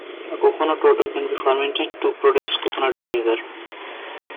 Coconut water can be fermented to produce coconut vinegar.